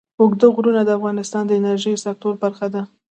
اوږده غرونه د افغانستان د انرژۍ سکتور برخه ده.